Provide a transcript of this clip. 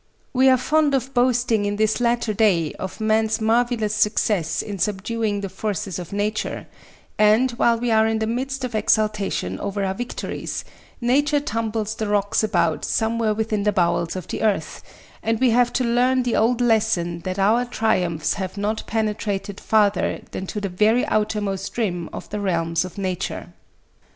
We are fond of boasting in this latter day of man's marvelous success in subduing the forces of Nature; and, while we are in the midst of exultation over our victories, Nature tumbles the rocks about somewhere within the bowels of the earth, and we have to learn the old lesson that our triumphs have not penetrated farther than to the very outermost rim of the realms of Nature.